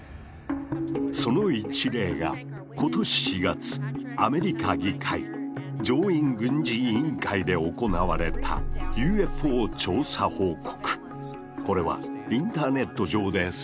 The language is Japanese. その一例が今年４月アメリカ議会上院軍事委員会で行われたＵＦＯ調査報告。